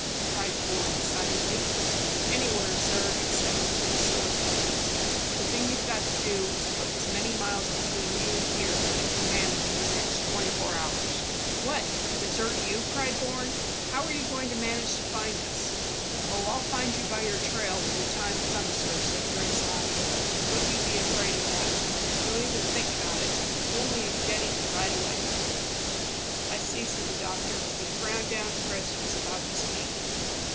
cried Bourne excitedly. "Anywhere, sir, except into the soda plains. The thing you've got to do is to put as many miles between you and here as you can manage in the next twenty four hours." "What, and desert you?" cried Bourne. "How are you going to manage to find us?" "Oh, I'll find you by your trail when the time comes, sir," said Griggs, laughing. "Don't you be afraid of that. Don't even think about it, only of getting right away." "I see," said the doctor, and he frowned down Chris, who was about to speak.